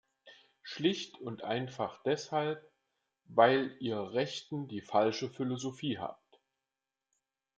Schlicht und einfach deshalb, weil Ihr Rechten die falsche Philosophie habt.